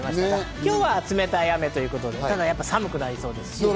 今日は冷たい雨ということで、寒くなりそうです。